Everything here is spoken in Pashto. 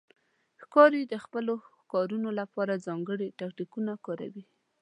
ښکاري د خپلو ښکارونو لپاره ځانګړي تاکتیکونه کاروي.